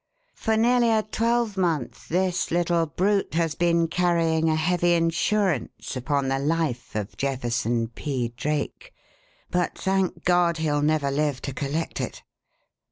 For nearly a twelvemonth this little brute has been carrying a heavy insurance upon the life of Jefferson P. Drake; but, thank God, he'll never live to collect it.